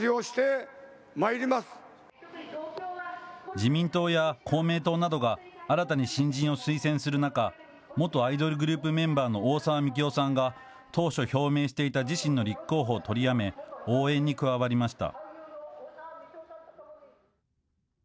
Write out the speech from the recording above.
自民党や公明党などが新たに新人を推薦する中、元アイドルグループメンバーの大沢樹生さんが、当初、表明していた自身の立候補を取りやめ、応援に加わりました。